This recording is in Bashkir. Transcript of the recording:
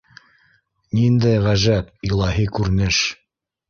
Ниндәй ғәжәп, илаһи күренеш!